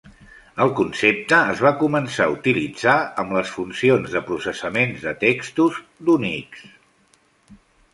El concepte es va començar a utilitzar amb les funcions de processament de textos d'Unix.